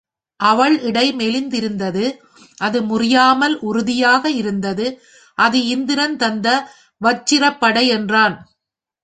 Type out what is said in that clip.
அவள் இடை மெலிந்திருந்தது அது முறியாமல் உறுதியாக இருந்தது அது இந்திரன் தந்த வச்சிரப்படை என்றான்.